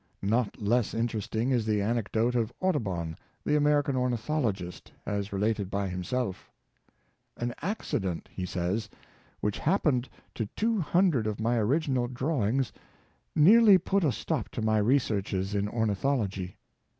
Not less interesting is the anecdote of Audu bon, the American ornithologist, as related by himself: " An accident," he says, " which happened to two hun dred of my original drawings, nearly put a stop to my researches in ornithology.